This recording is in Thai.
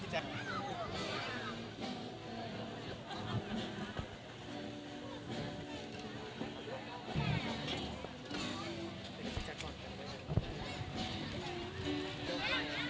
โอเคครับผม